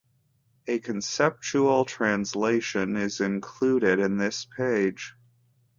A conceptual translation is included in this page.